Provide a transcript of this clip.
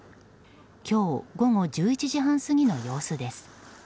今日午後１１時半過ぎの様子です。